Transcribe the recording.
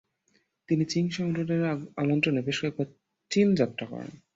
তিনি চিং সম্রাটদের আমন্ত্রণে বেশ কয়েকবার চীন যাত্রা করেন।